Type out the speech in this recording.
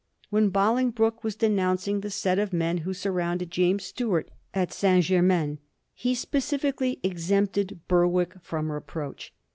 When Bolingbroke was denouncing the set of men who surrounded James Stuart at St. Germains he specially exempted Berwick from reproach.